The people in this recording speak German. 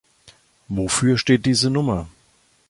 Wofür steht diese Nummer?